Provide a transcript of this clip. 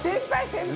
先輩！